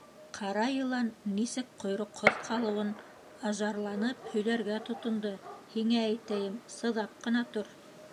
Ҡара йылан нисек ҡойроҡһоҙ ҡалыуын ажарланып һөйләргә тотондо, һиңә әйтәйем, сыҙап ҡына тор.